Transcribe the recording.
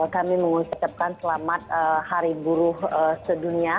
kami mengucapkan selamat hari buruh sedunia